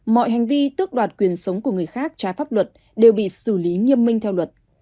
mọi hành vi tước đoạt quyền sống của người khác trái pháp luật đều bị xử lý nghiêm minh theo luật